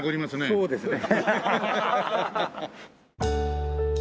そうですね。